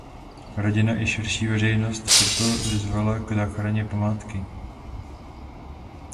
Rodina i širší veřejnost proto vyzvala k záchraně památky.